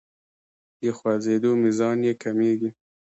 د خوځیدو میزان یې کمیږي.